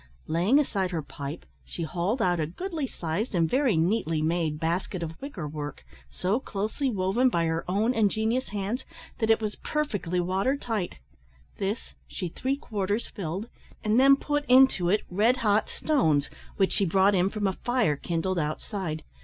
Laying aside her pipe, she hauled out a goody sized and very neatly made basket of wicker work, so closely woven by her own ingenious hands, that it was perfectly water tight; this she three quarters filled, and then put into it red hot stones, which she brought in from a fire kindled outside.